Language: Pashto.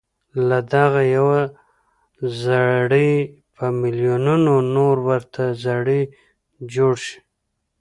له دغه يوه زړي په ميليونونو نور ورته زړي جوړ شي.